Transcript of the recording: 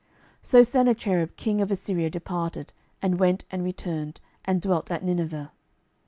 12:019:036 So Sennacherib king of Assyria departed, and went and returned, and dwelt at Nineveh.